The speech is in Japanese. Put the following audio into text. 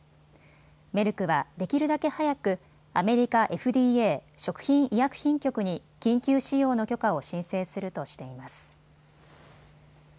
メルクは、できるだけ早くアメリカＦＤＡ・食品医薬品局に緊急使用の許可を申請するとしています。